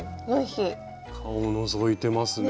顔のぞいてますね。